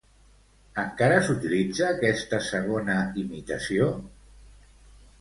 Encara s'utilitza aquesta segona imitació?